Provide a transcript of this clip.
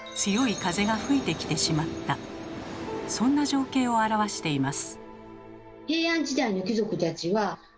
そんな情景を表しています。